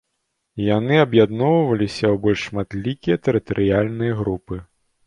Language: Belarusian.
Яны аб'ядноўваліся ў больш шматлікія тэрытарыяльныя групы.